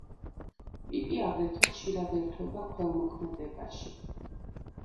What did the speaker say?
პიტი აგრეთვე ხშირად ერთვება ქველმოქმედებაში.